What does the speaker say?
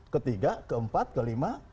ketiga keempat kelima